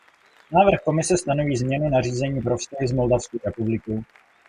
Návrh Komise stanoví změnu nařízení pro vztahy s Moldavskou republikou.